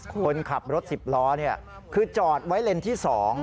คนขับรถ๑๐ล้อคือจอดไว้เลนส์ที่๒